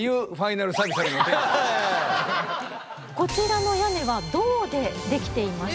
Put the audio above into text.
こちらの屋根は銅でできています。